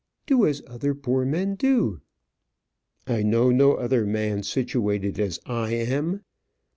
Do as other poor men do." "I know no other man situated as I am."